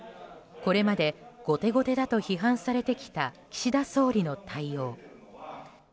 これまで後手後手だと批判されてきた岸田総理の対応。